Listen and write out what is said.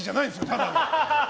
ただの。